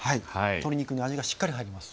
鶏肉に味がしっかり入ります。